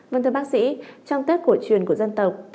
vâng thưa bác sĩ trong tết cổ truyền của dân tộc